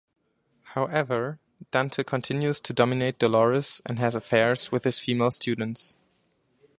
However, Dante continues to dominate Dolores and has affairs with his female students.